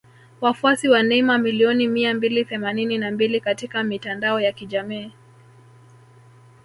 Wafuasi wa Neymar milioni mia mbili themanini na mbili katika mitandao ya kijamii